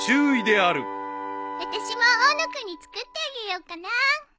私も大野君に作ってあげようかな。